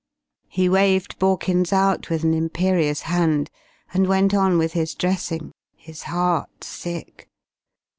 He waved Borkins out with an imperious hand, and went on with his dressing, his heart sick.